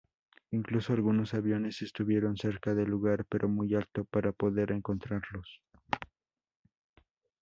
Incluso algunos aviones estuvieron cerca del lugar, pero muy alto para poder encontrarlos.